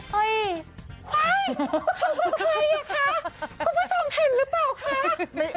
อ่ะคุณผู้ชมเห็นหรือเปล่าคะ